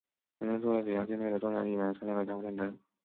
本舰作为北洋舰队的重要一员参加了甲午战争。